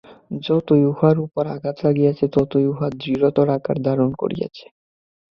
যতই উহার উপর আঘাত লাগিয়াছে, ততই উহা দৃঢ়তর আকার ধারণ করিয়াছে।